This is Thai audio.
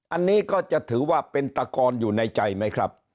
อันนี้ก็จะถือว่าเป็นตะกอนอยู่ในใจไหมครับ